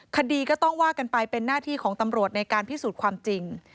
คดีก็ต้องว่ากันไปเป็นหน้าที่ของตำรวจในการพิสูจน์ความจริง